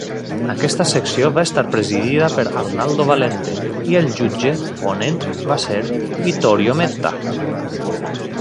Aquesta secció va estar presidida per Arnaldo Valente i el jutge ponent va ser Vittorio Metta.